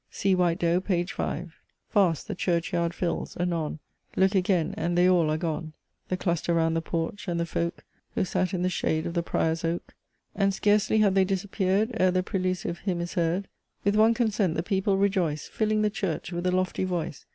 See White Doe, page 5. "Fast the church yard fills; anon Look again and they all are gone; The cluster round the porch, and the folk Who sate in the shade of the Prior's Oak! And scarcely have they disappeared Ere the prelusive hymn is heard; With one consent the people rejoice, Filling the church with a lofty voice!